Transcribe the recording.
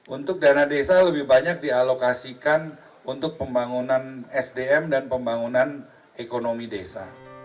untuk dana desa lebih banyak dialokasikan untuk pembangunan sdm dan pembangunan ekonomi desa